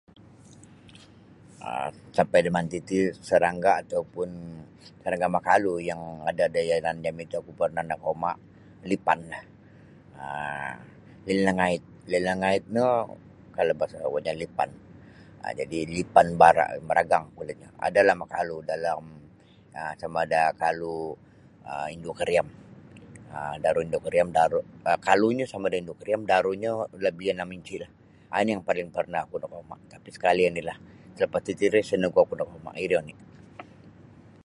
um sampai da manti ti sarangga' atau pun sarangga' makalu ya ada' da yanan jami' ti oku parnah nakauma' lipanlah um lilangait lilangait no kalau bahasa kuo nyo lipan um jadi' lipan bara' maragang kulitnyo adalah makalu dalam um sama' da kalu um indu kariam um daru indu' kariam daru kalunyo sama da indu' kariam darunyo labih anam inci'lah ino yang paling parnah oku nakauma' tapi' sakali' onilah lapas tatiri isa nogu oku nakauma' iri oni'.